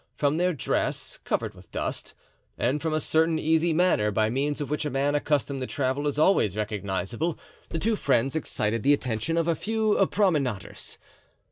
From their dress, covered with dust, and from a certain easy manner by means of which a man accustomed to travel is always recognizable, the two friends excited the attention of a few promenaders.